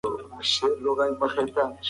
ټکنالوژي د سوداګرۍ په برخه کې نوې لارې برابروي.